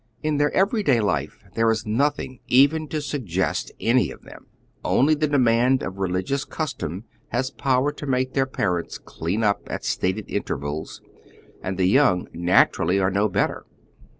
In their eveiyday life there is nothing even to suggest any of them. Only the demand of reli gions custom has power to make their parents clean up at stated intervals, and the young naturally are no better.